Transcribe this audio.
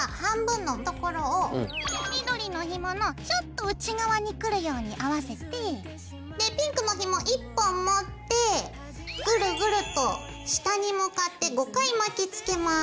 緑のひものちょっと内側にくるように合わせてピンクのひも１本持ってぐるぐると下に向かって５回巻きつけます。